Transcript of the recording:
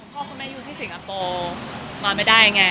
พ่อแม่อยู่ที่สิงคโปร์นอนไม่ได้ไง